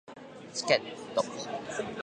チケット